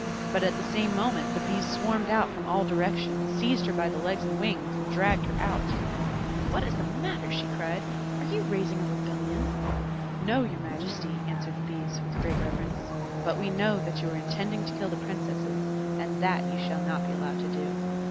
But at the same moment the Bees swarmed out from all directions, seized her by the legs and wings, and dragged her out. "What is the matter?" she cried. "Are you raising a rebellion?" "No, your majesty," answered the Bees, with great reverence; "but we know that you are intending to kill the Princesses, and that you shall not be allowed to do.